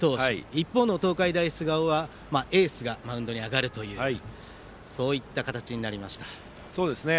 一方の東海大菅生はエースがマウンドに上がるというそういった形になりました。